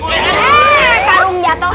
eh karung jatuh